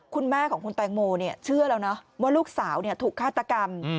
คุณแม่ของคุณแตงโมเชื่อแล้วนะว่าลูกสาวถูกฆาตกรรม